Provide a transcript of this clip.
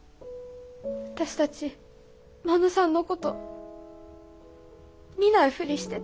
私たち真野さんのこと見ないふりしてた。